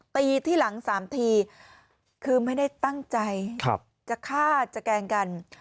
ตีที่หลัง๓ทีคือไม่ได้ตั้งใจจะฆ่าจะแกล้งกัน